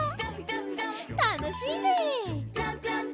たのしいね！